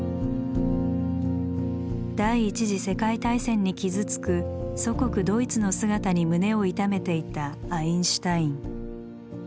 第１次世界大戦に傷つく祖国ドイツの姿に胸を痛めていたアインシュタイン。